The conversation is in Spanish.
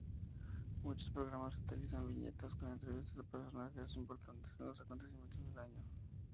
Muchos programas utilizan viñetas con entrevistas a personajes importantes en los acontecimientos del año.